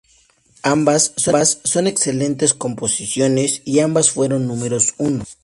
Ambas son excelentes composiciones y ambas fueron números uno.